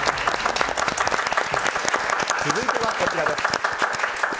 続いてはこちらです。